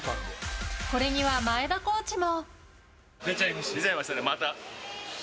これには前田コーチも。